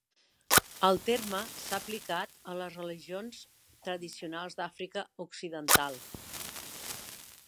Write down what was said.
El terme s'ha aplicat a les religions tradicionals d'Àfrica Occidental.